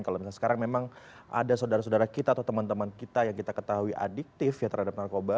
kalau misalnya sekarang memang ada saudara saudara kita atau teman teman kita yang kita ketahui adiktif ya terhadap narkoba